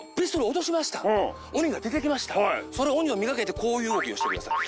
落としました鬼が出てきましたその鬼をめがけてこういう動きをしてください